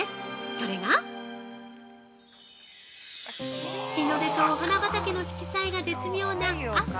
それが日の出とお花畑の色彩が絶妙な、朝！